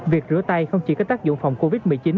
việc rửa tay không chỉ có tác dụng phòng covid một mươi chín